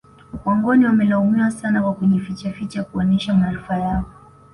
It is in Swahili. Wangoni wamelaumiwa sana kwa kujifichaficha kuonesha maarifa yao